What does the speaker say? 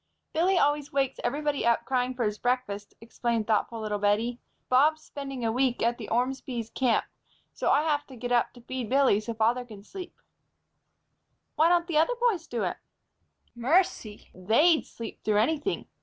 "Billy always wakes everybody up crying for his breakfast," explained thoughtful little Bettie. "Bob's spending a week at the Ormsbees' camp, so I have to get up to feed Billy so father can sleep." "Why don't the other boys do it?" "Mercy! They'd sleep through anything.